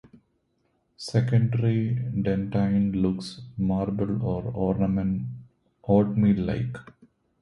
Secondary dentine looks marble or oatmeal-like.